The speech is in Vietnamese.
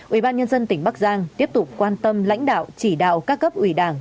ủy ban nhân dân tỉnh bắc giang tiếp tục quan tâm lãnh đạo chỉ đạo các cấp ủy đảng